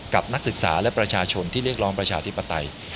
นักศึกษาและประชาชนที่เรียกร้องประชาธิปไตย